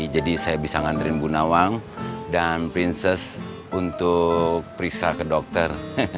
jadi saya bisa nganterin bu nawang dan princess untuk periksa ke dokter